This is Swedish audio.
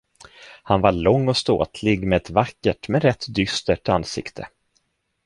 Han var lång och ståtlig med ett vackert, men rätt dystert ansikte.